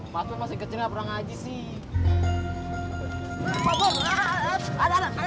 maksudnya masih kecil gak pernah ngaji sih